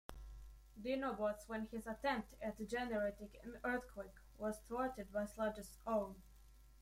Dinobots when his attempt at generating an earthquake was thwarted by Sludge's own.